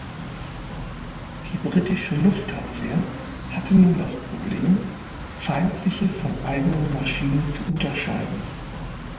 Die britische Luftabwehr hatte nun das Problem, feindliche von eigenen Maschinen zu unterscheiden.